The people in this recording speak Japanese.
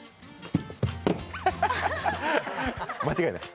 間違いない？